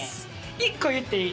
１個言っていい？